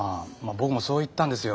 僕もそう言ったんですよ。